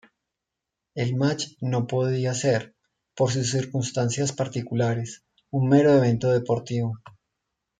El match no podía ser, por sus circunstancias particulares, un mero evento deportivo.